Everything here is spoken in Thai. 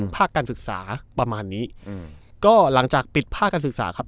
ภาคการศึกษาประมาณนี้อืมก็หลังจากปิดภาคการศึกษาครับ